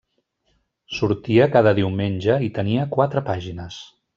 Sortia cada diumenge i tenia quatre pàgines.